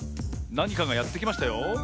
なにかがやってきましたよ。